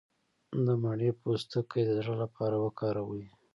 د مڼې پوستکی د زړه لپاره وکاروئ